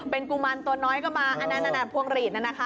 เป็นกุมารตัวน้อยก็มาอันนั้นพวงหลีดนะคะ